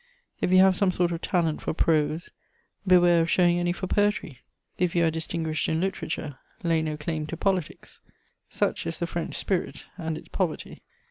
If you have some sort of talent for prose, beware of showing any for poetry; if you are distinguished in literature, lay no claim to politics: such is the French spirit and its poverty.